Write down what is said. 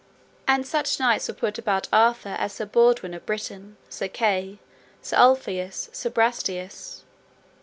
And such knights were put about Arthur as Sir Baudwin of Britain, Sir Kay, Sir Ulfius, Sir Brastias.